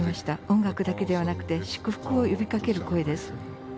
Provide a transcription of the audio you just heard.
音楽だけではなくて祝福を呼びかける声です。